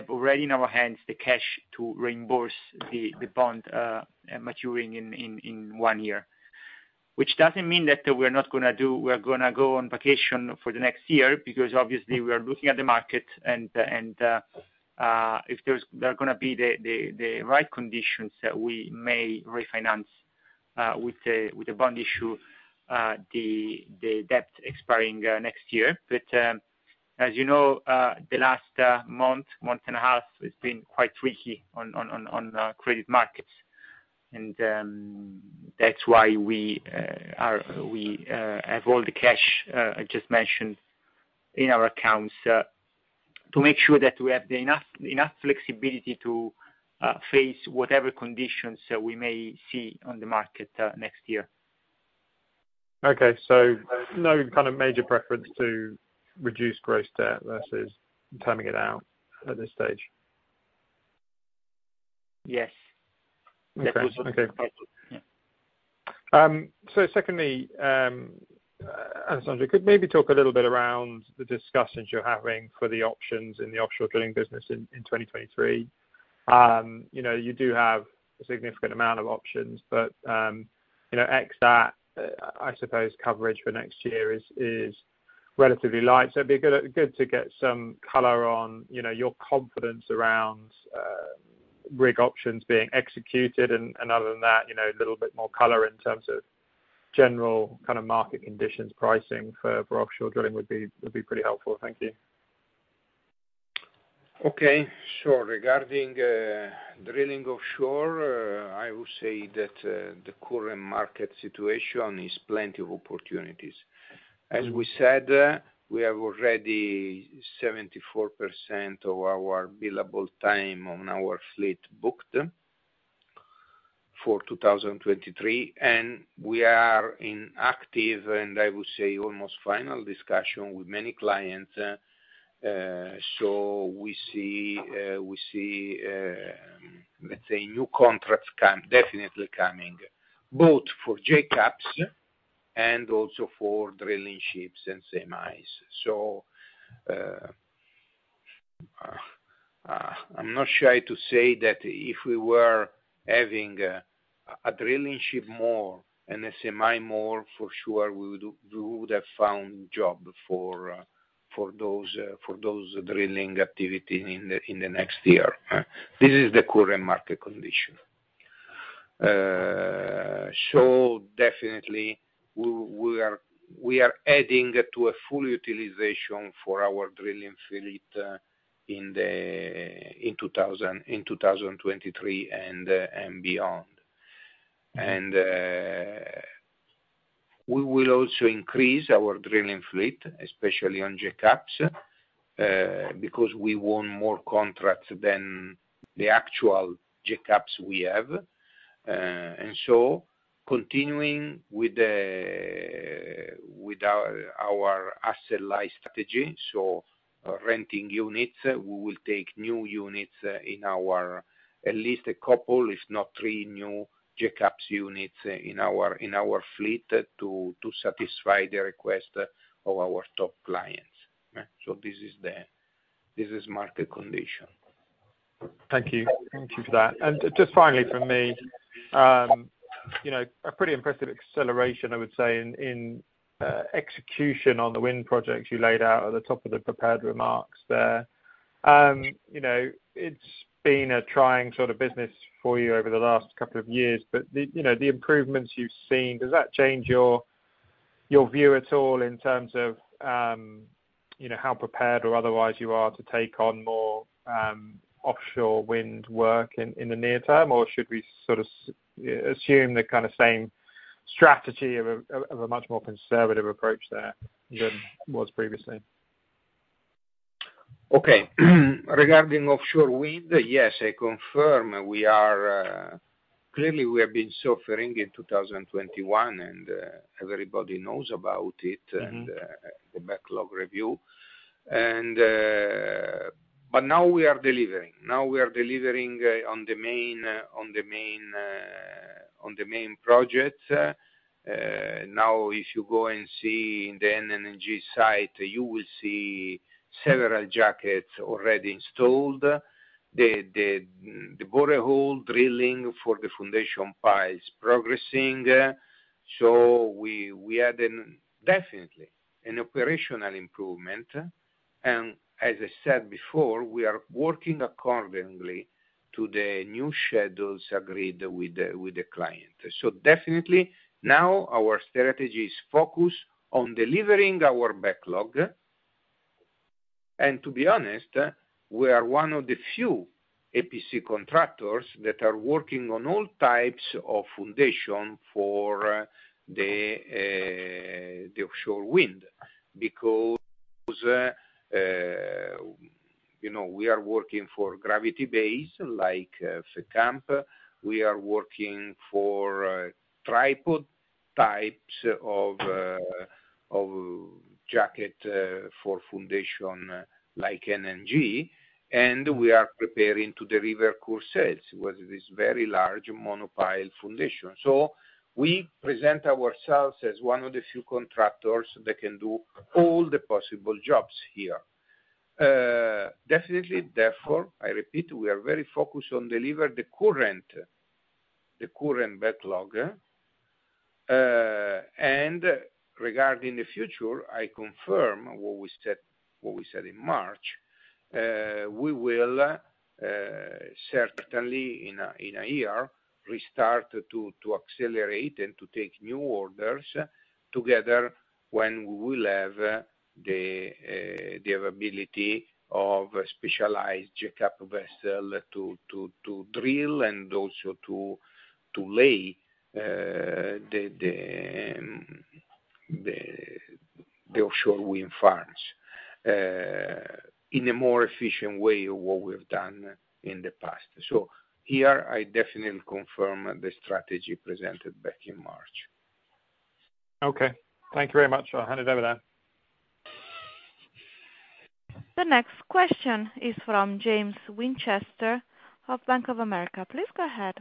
Speaker 3: already in our hands the cash to reimburse the bond maturing in one year. Which doesn't mean that we're gonna go on vacation for the next year because obviously we are looking at the market and if there are gonna be the right conditions that we may refinance with a bond issue the debt expiring next year. As you know, the last month and a half has been quite tricky on credit markets. That's why we have all the cash I just mentioned in our accounts to make sure that we have enough flexibility to face whatever conditions that we may see on the market next year.
Speaker 7: Okay. No kind of major preference to reduce gross debt versus timing it out at this stage?
Speaker 3: Yes.
Speaker 7: Okay.
Speaker 3: Yeah.
Speaker 7: Secondly, Alessandro, could maybe talk a little bit around the discussions you're having for the options in the offshore drilling business in 2023. You know, you do have a significant amount of options, but you know, exact, I suppose coverage for next year is relatively light. It'd be good to get some color on, you know, your confidence around rig options being executed. Other than that, you know, a little bit more color in terms of general kind of market conditions pricing for offshore drilling would be pretty helpful. Thank you.
Speaker 2: Okay. Sure. Regarding drilling offshore. To say that the current market situation is plenty of opportunities. As we said, we have already 74% of our billable time on our fleet booked for 2023, and we are in active and I would say almost final discussion with many clients. So we see, let's say, new contracts definitely coming, both for jack-ups and also for drilling ships and SMIs. So I'm not shy to say that if we were having more drilling ships and more semi-submersibles, for sure we would have found job for those drilling activity in the next year. This is the current market condition. Definitely we are adding to a full utilization for our drilling fleet in 2023 and beyond. We will also increase our drilling fleet, especially on jack-ups, because we want more contracts than the actual jack-ups we have. Continuing with our asset light strategy, renting units, we will take new units, at least a couple, if not three new jack-ups units in our fleet to satisfy the request of our top clients. This is market condition.
Speaker 7: Thank you. Thank you for that. Just finally from me, you know, a pretty impressive acceleration, I would say, in execution on the wind projects you laid out at the top of the prepared remarks there. You know, it's been a trying sort of business for you over the last couple of years. You know, the improvements you've seen, does that change your view at all in terms of, you know, how prepared or otherwise you are to take on more offshore wind work in the near term? Or should we sort of assume the kind of same strategy of a much more conservative approach there than was previously?
Speaker 2: Okay. Regarding offshore wind, yes, I confirm we are clearly we have been suffering in 2021, and everybody knows about it.
Speaker 7: Mm-hmm
Speaker 2: The backlog review. Now we are delivering. Now we are delivering on the main project. Now if you go and see in the NnG site, you will see several jackets already installed. The borehole drilling for the foundation pile is progressing. We had definitely an operational improvement. As I said before, we are working according to the new schedules agreed with the client. Definitely now our strategy is focused on delivering our backlog. To be honest, we are one of the few EPC contractors that are working on all types of foundation for the offshore wind because, you know, we are working for gravity base like Fécamp. We are working for tripod types of jacket for foundation like NnG, and we are preparing to deliver jackets with this very large monopile foundation. We present ourselves as one of the few contractors that can do all the possible jobs here. Definitely, therefore, I repeat, we are very focused on delivering the current backlog. Regarding the future, I confirm what we said in March. We will certainly in a year restart to accelerate and to take new orders together when we will have the availability of specialized jack-up vessel to drill and also to lay the offshore wind farms in a more efficient way than what we've done in the past. Here I definitely confirm the strategy presented back in March.
Speaker 7: Okay. Thank you very much. I'll hand it over there.
Speaker 1: The next question is from James Winchester of Bank of America. Please go ahead.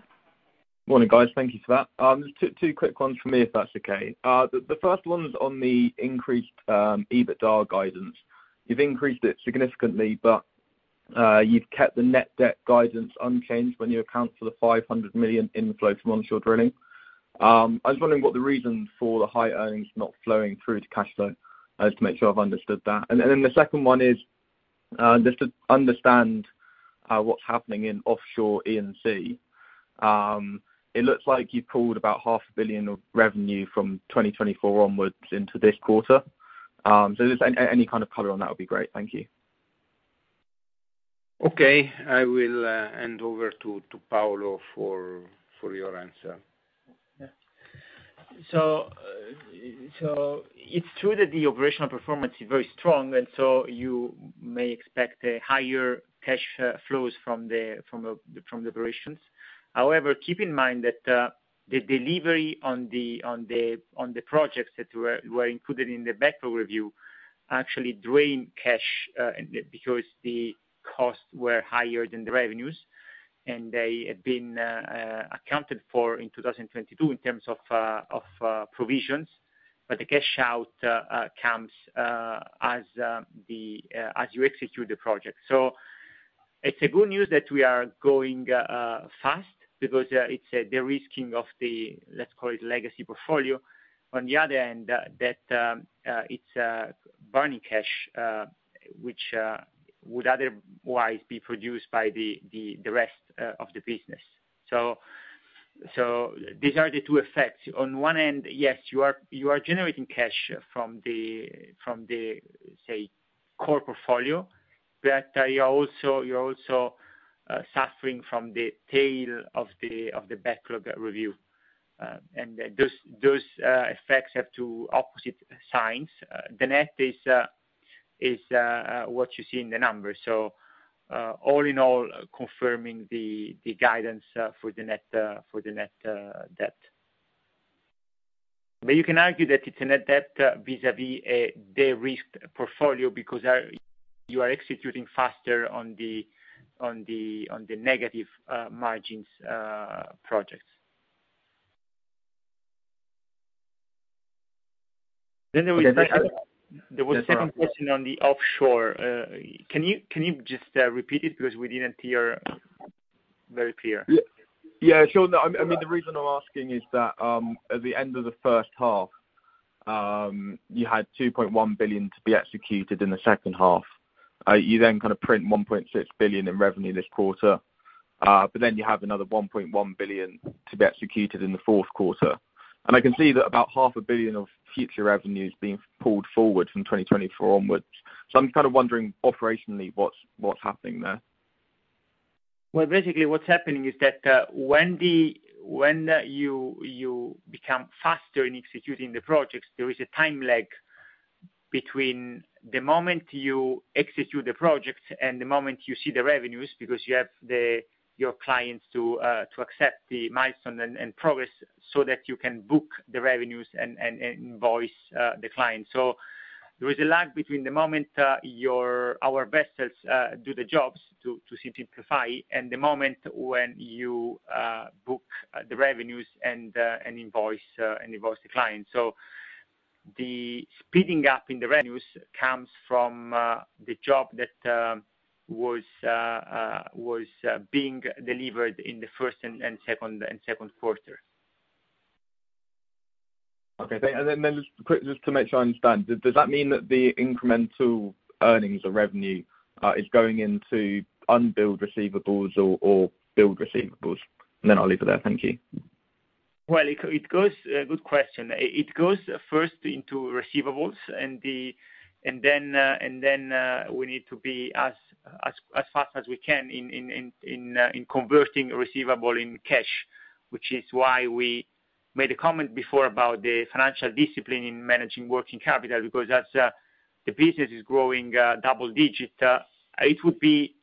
Speaker 8: Morning, guys. Thank you for that. Just two quick ones from me, if that's okay. The first one's on the increased EBITDA guidance. You've increased it significantly, but you've kept the net debt guidance unchanged when you account for the $500 million inflow from onshore drilling. I was wondering what the reason for the high earnings not flowing through to cash flow? Just to make sure I've understood that. Then the second one is just to understand what's happening in offshore E&C. It looks like you pulled about half a billion EUR of revenue from 2024 onwards into this quarter. Just any kind of color on that would be great. Thank you.
Speaker 2: Okay. I will hand over to Paolo for your answer.
Speaker 3: Yeah. It's true that the operational performance is very strong, and so you may expect higher cash flows from the operations. However, keep in mind that the delivery on the projects that were included in the backlog review actually drain cash because the costs were higher than the revenues, and they have been accounted for in 2022 in terms of provisions. The cash out comes as you execute the project. It's good news that we are going fast because it's de-risking of the, let's call it legacy portfolio. On the other end, that it's burning cash, which would otherwise be produced by the rest of the business. These are the two effects. On one end, yes, you are generating cash from the, say, core portfolio, but you are also suffering from the tail of the backlog review. Those effects have two opposite signs. The net is what you see in the numbers. All in all, confirming the guidance for the net debt. But you can argue that it's a net debt vis-à-vis a de-risked portfolio because you are executing faster on the negative margins projects. Then there was second.
Speaker 2: Then the other.
Speaker 3: There was a second question on the offshore. Can you just repeat it because we didn't hear very clearly?
Speaker 8: Yeah, sure. No, I mean, the reason I'm asking is that at the end of the first half, you had 2.1 billion to be executed in the second half. You then kind of print 1.6 billion in revenue this quarter, but then you have another 1.1 billion to be executed in the fourth quarter. I can see that about 0.5 billion of future revenue is being pulled forward from 2024 onwards. I'm kind of wondering, operationally, what's happening there?
Speaker 3: Well, basically what's happening is that when you become faster in executing the projects, there is a time lag between the moment you execute the project and the moment you see the revenues, because you have your clients to accept the milestone and progress so that you can book the revenues and invoice the client. There is a lag between the moment our vessels do the jobs, to simplify, and the moment when you book the revenues and invoice the client. The speeding up in the revenues comes from the job that was being delivered in the first and second quarter.
Speaker 8: Okay. Just quick, just to make sure I understand. Does that mean that the incremental earnings or revenue is going into unbilled receivables or billed receivables? I'll leave it there. Thank you.
Speaker 3: Well, it goes. Good question. It goes first into receivables and then we need to be as fast as we can in converting receivable in cash, which is why we made a comment before about the financial discipline in managing working capital, because as the business is growing double digit, it would be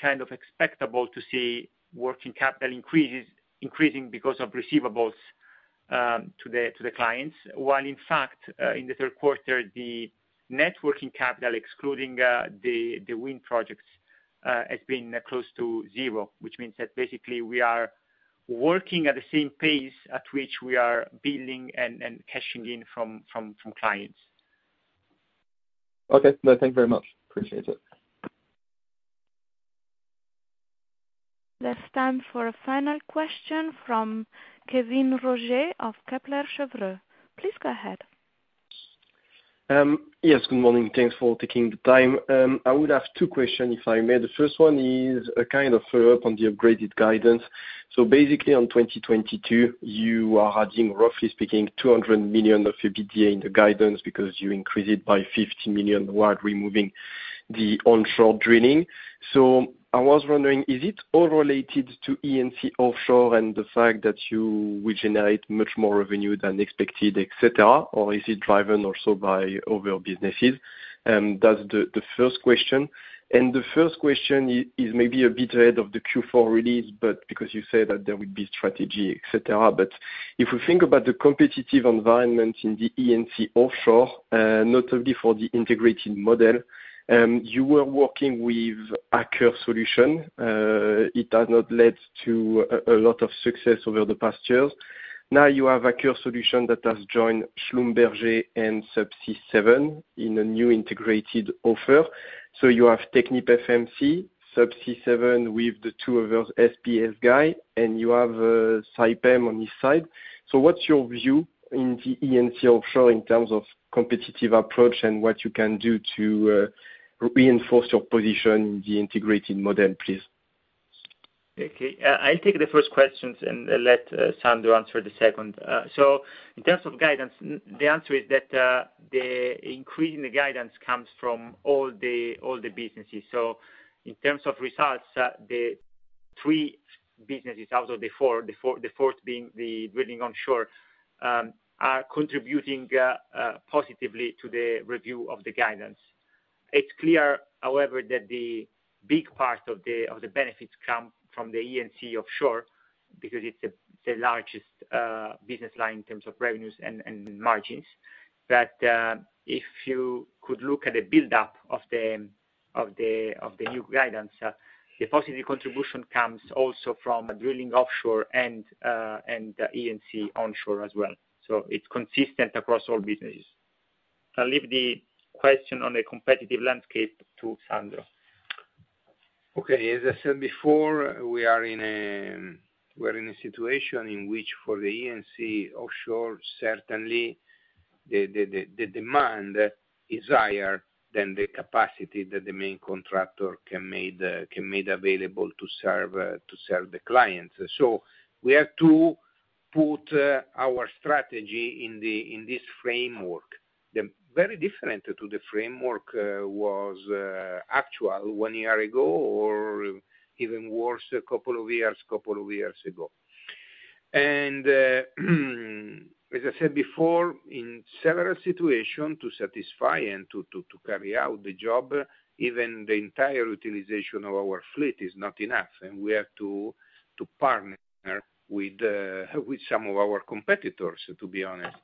Speaker 3: kind of expectable to see working capital increases, increasing because of receivables to the clients. While in fact, in the third quarter, the net working capital, excluding the wind projects, has been close to zero, which means that basically, we are working at the same pace at which we are billing and cashing in from clients.
Speaker 8: Okay. No, thank you very much. Appreciate it.
Speaker 1: There's time for a final question from Kévin Roger of Kepler Cheuvreux. Please go ahead.
Speaker 9: Yes, good morning. Thanks for taking the time. I would have two questions, if I may. The first one is a kind of follow-up on the upgraded guidance. Basically, on 2022, you are adding, roughly speaking, 200 million of EBITDA in the guidance because you increased it by 50 million while removing the onshore drilling. I was wondering, is it all related to E&C offshore and the fact that you will generate much more revenue than expected, et cetera? Or is it driven also by other businesses? That's the first question. The first question is maybe a bit ahead of the Q4 release, but because you said that there would be strategy, et cetera. If we think about the competitive environment in the E&C offshore, notably for the integrated model, you were working with a SURF solution. It has not led to a lot of success over the past years. Now you have a SURF solution that has joined Schlumberger and Subsea7 in a new integrated offer. You have TechnipFMC, Subsea7 with the two of those SPS side, and you have Saipem on his side. What's your view in the E&C offshore in terms of competitive approach and what you can do to reinforce your position in the integrated model, please?
Speaker 3: Okay. I'll take the first questions and let Sandro answer the second. In terms of guidance, the answer is that the increase in the guidance comes from all the businesses. In terms of results, the three businesses out of the four, the fourth being the drilling onshore, are contributing positively to the review of the guidance. It's clear, however, that the big part of the benefits come from the E&C offshore because it's the largest business line in terms of revenues and margins. If you could look at the buildup of the new guidance, the positive contribution comes also from drilling offshore and E&C onshore as well. It's consistent across all businesses. I'll leave the question on the competitive landscape to Sandro.
Speaker 2: Okay. As I said before, we're in a situation in which for the E&C offshore, certainly the demand is higher than the capacity that the main contractor can make available to serve the clients. We have to put our strategy in this framework. It's very different from what it was one year ago, or even worse, a couple of years ago. As I said before, in several situations to satisfy and to carry out the job, even the entire utilization of our fleet is not enough, and we have to partner with some of our competitors, to be honest.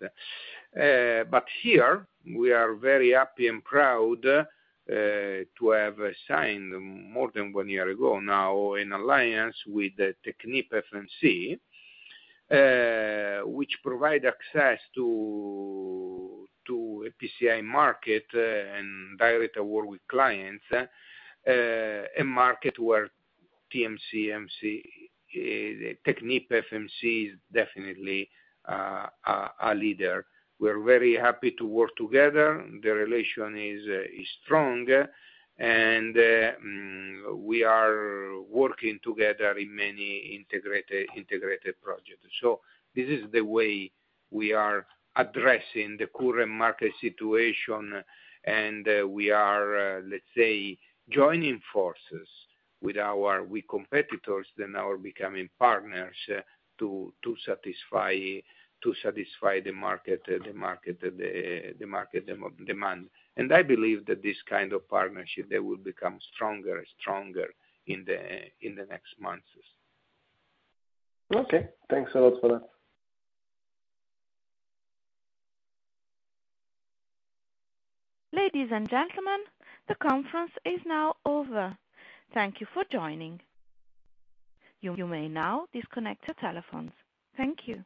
Speaker 2: Here we are very happy and proud to have signed more than one year ago now in alliance with TechnipFMC, which provide access to a EPCI market and direct award with clients, a market where TechnipFMC is definitely a leader. We're very happy to work together. The relation is strong, and we are working together in many integrated projects. This is the way we are addressing the current market situation. We are, let's say, joining forces with our key competitors that now are becoming partners to satisfy the market demand. I believe that this kind of partnership they will become stronger and stronger in the next months.
Speaker 9: Okay. Thanks a lot for that.
Speaker 1: Ladies and gentlemen, the conference is now over. Thank you for joining. You may now disconnect your telephones. Thank you.